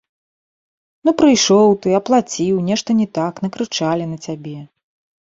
Ну, прыйшоў ты, аплаціў, нешта не так, накрычалі на цябе.